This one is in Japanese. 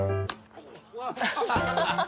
ハハハハ！